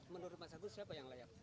menurut mas agus siapa yang layak